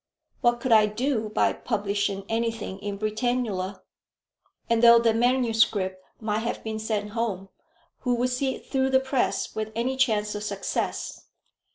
What could I do by publishing anything in Britannula? And though the manuscript might have been sent home, who would see it through the press with any chance of success?